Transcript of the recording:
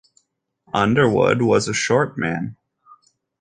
Underwood was a short man.